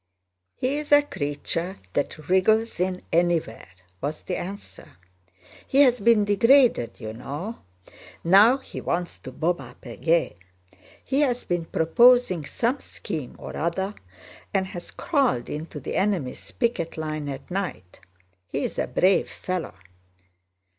"He's a creature that wriggles in anywhere!" was the answer. "He has been degraded, you know. Now he wants to bob up again. He's been proposing some scheme or other and has crawled into the enemy's picket line at night.... He's a brave fellow."